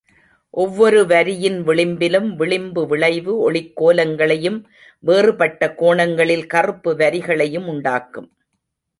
ஒவ்வொரு வரியின் விளிம்பிலும் விளிம்பு விளைவு, ஒளிக்கோலங்களையும் வேறுபட்ட கோணங்களில் கறுப்பு வரிகளையும் உண்டாக்கும்.